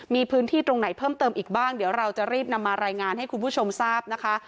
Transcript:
มีพื้นที่ตรงไหนเพิ่มเติมอีกบ้างเดี๋ยวเราจะรีบนำมารายงานให้คุณผู้ชมทราบนะคะ